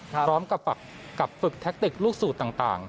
พร้อมกับฝักกับฝึกแทคติกลูกสูตรต่าง